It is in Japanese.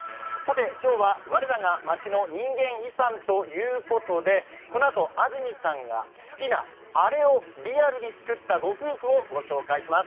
今日は我らが町の人間遺産ということで、このあと安住さんが好きなあれをリアルに作ったご夫婦をご紹介します。